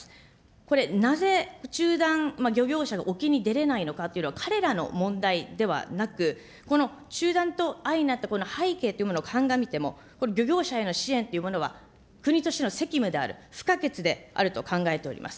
これ、なぜ中断、漁業者が沖に出れないのかというのは、彼らの問題ではなく、この中断と相成ったこの背景というものを鑑みても、これ、漁業者への支援というのは国としての責務である、不可欠であると考えております。